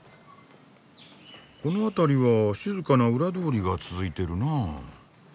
この辺りは静かな裏通りが続いてるなあ。